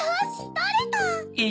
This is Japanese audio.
とれた。